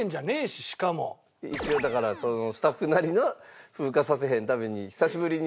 一応だからスタッフなりの風化させへんために久しぶりに。